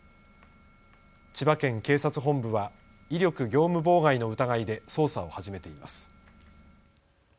千葉県警察本部は威力業務妨害の疑いで捜査を始めています。